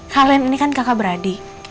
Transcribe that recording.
kalian ini kan kakak beradik